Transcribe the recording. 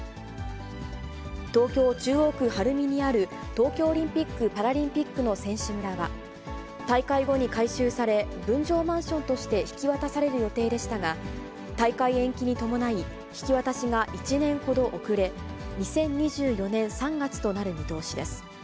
東京・中央区晴海にある東京オリンピック・パラリンピックの選手村は、大会後に改修され、分譲マンションとして引き渡される予定でしたが、大会延期に伴い、引き渡しが１年ほど遅れ、２０２４年３月となる見通しです。